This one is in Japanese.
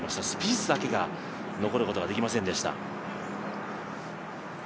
スピースだけが残ることができませんでした。